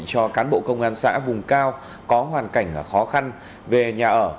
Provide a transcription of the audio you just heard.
cho cán bộ công an xã vùng cao có hoàn cảnh khó khăn về nhà ở